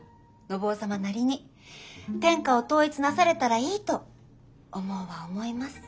信夫様なりに天下を統一なされたらいいとお毛は思います。